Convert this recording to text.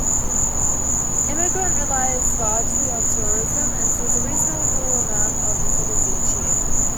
Emigrant relies largely on tourism and sees a reasonable amount of visitors each year.